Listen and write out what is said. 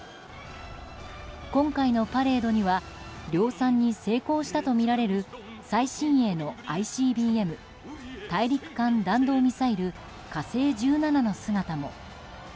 今回のパレードには量産に成功したとみられる最新鋭のＩＣＢＭ・大陸間弾道ミサイル「火星１７」の姿も。